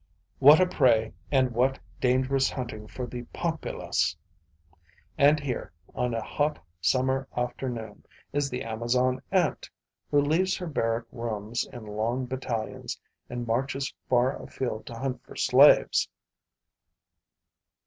What a prey and what dangerous hunting for the Pompilus! And here, on a hot summer afternoon, is the Amazon ant, who leaves her barrack rooms in long battalions and marches far afield to hunt for slaves.